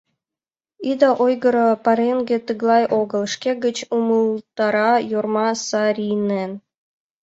— Ида ойгыро, пареҥге тыглай огыл, — шке гыч умылтара Йорма Сааринен.